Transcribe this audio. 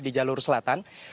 di jalur selatan